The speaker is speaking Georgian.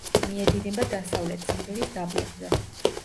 მიედინება დასავლეთ ციმბირის დაბლობზე.